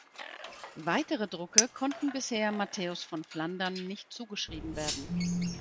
Weitere Drucke konnten bisher Matthäus von Flandern nicht zugeschrieben werden.